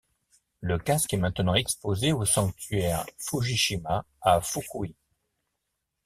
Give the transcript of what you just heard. Le casque est maintenant exposé au sanctuaire Fujishima à Fukui.